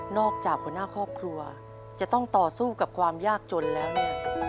หัวหน้าครอบครัวจะต้องต่อสู้กับความยากจนแล้วเนี่ย